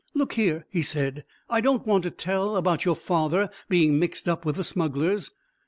"Look here," he said; "I don't want to tell about your father being mixed up with the smugglers."